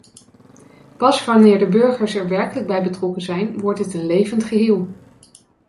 Pas wanneer de burgers er werkelijk bij betrokken zijn, wordt het een levend geheel.